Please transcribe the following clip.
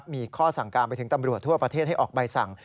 มีข้อสั่งการไปถึงตำรวจทั่วประเทศให้ออกใบสั่ง